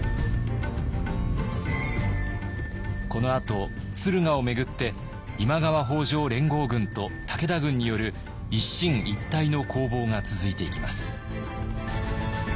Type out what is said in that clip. このあと駿河を巡って今川北条連合軍と武田軍による一進一退の攻防が続いていきます。